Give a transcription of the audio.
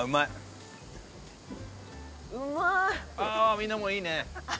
みんなもいいね。